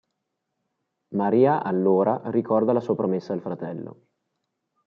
Maria, allora, ricorda la sua promessa al fratello.